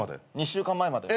２週間前まで。